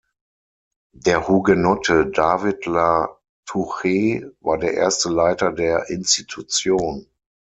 Der Hugenotte David la Touche war der erste Leiter der Institution.